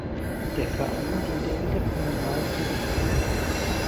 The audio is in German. Der Verein dient der interkommunalen Zusammenarbeit.